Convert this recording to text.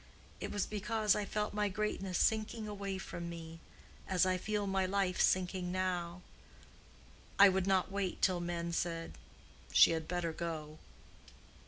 It was because I felt my greatness sinking away from me, as I feel my life sinking now. I would not wait till men said, 'She had better go.